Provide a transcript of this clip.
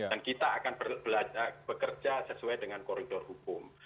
kita akan bekerja sesuai dengan koridor hukum